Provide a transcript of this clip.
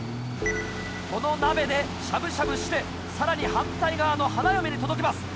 この鍋でしゃぶしゃぶしてさらに反対側の花嫁に届けます。